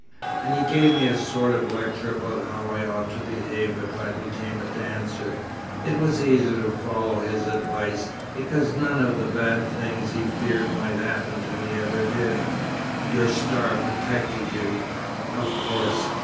And he gave me a sort of lecture about how I ought to behave if I became a dancer. It was easy to follow his advice, because none of the bad things he feared might happen to me ever did." "Your star protected you?" "Of course.